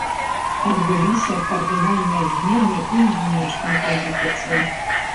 Адбыліся кардынальныя змены і ў знешняй палітыцы.